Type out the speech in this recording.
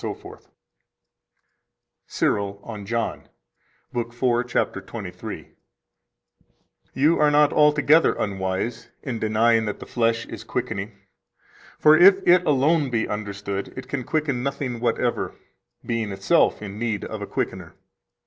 110 CYRIL, on John, lib. 4, cap. 23: "You are not altogether unwise in denying that the flesh is quickening. For if it alone be understood, it can quicken nothing whatever, being itself in need of a quickener.